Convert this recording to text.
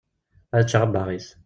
Ad ččeɣ abbaɣ-is.